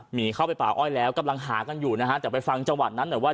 หนีเข้าไปป่าอ้อยแล้วกำลังหากันอยู่นะฮะแต่ไปฟังจังหวัดนั้นหน่อยว่า